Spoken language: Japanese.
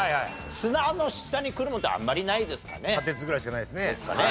「砂」の下にくるもんってあんまりないですかね。